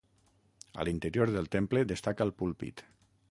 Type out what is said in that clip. A l'interior del temple destaca el púlpit.